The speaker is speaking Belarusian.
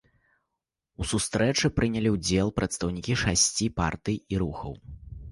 У сустрэчы прынялі ўдзел прадстаўнікі шасці партый і рухаў.